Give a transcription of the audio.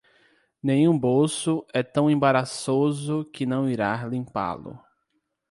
Nenhum bolso é tão embaraçoso que não irá limpá-lo.